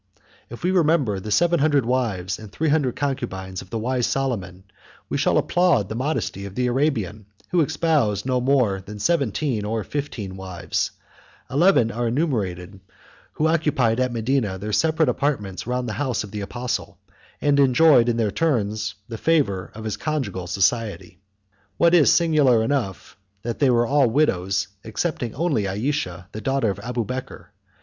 If we remember the seven hundred wives and three hundred concubines of the wise Solomon, we shall applaud the modesty of the Arabian, who espoused no more than seventeen or fifteen wives; eleven are enumerated who occupied at Medina their separate apartments round the house of the apostle, and enjoyed in their turns the favor of his conjugal society. What is singular enough, they were all widows, excepting only Ayesha, the daughter of Abubeker.